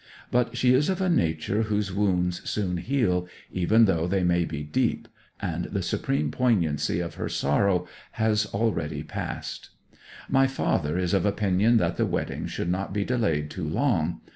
But she is of a nature whose wounds soon heal, even though they may be deep, and the supreme poignancy of her sorrow has already passed. My father is of opinion that the wedding should not be delayed too long.